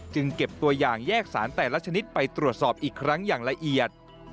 เก็บตัวอย่างแยกสารแต่ละชนิดไปตรวจสอบอีกครั้งอย่างละเอียด